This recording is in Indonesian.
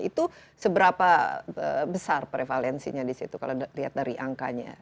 itu seberapa besar prevalensinya disitu kalau dilihat dari angkanya